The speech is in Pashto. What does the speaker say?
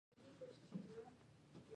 آیا د واده مصارف اقتصاد خرابوي؟